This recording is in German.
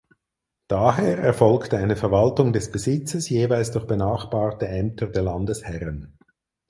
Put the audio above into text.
Daher erfolgte eine Verwaltung des Besitzes jeweils durch benachbarte Ämter der Landesherren.